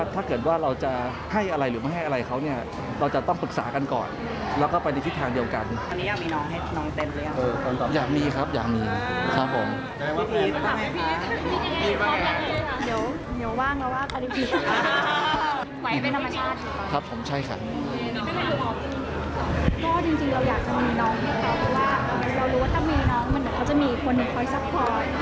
เพราะจะมีคนที่คอยซักพอด์มีเพื่อนอีกคนจะไม่หลัก